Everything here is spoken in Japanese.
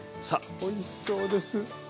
おいしそうです！